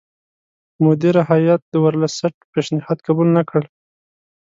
مدیره هیات د ورلسټ پېشنهاد قبول نه کړ.